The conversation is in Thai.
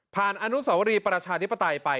อนุสวรีประชาธิปไตยไป